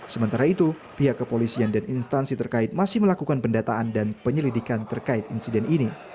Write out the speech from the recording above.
sementara itu pihak kepolisian dan instansi terkait masih melakukan pendataan dan penyelidikan terkait insiden ini